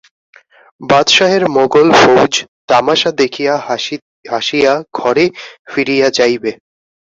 বাদশাহের মোগল ফৌজ তামাশা দেখিয়া হাসিয়া ঘরে ফিরিয়া যাইবে।